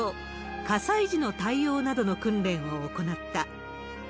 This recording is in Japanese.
火災時の対応などの訓練を行った。